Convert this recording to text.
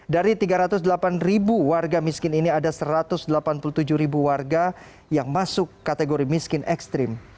dari tiga ratus delapan ribu warga miskin ini ada satu ratus delapan puluh tujuh ribu warga yang masuk kategori miskin ekstrim